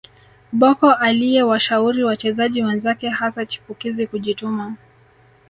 Bocco aliyewashauri wachezaji wenzake hasa chipukizi kujituma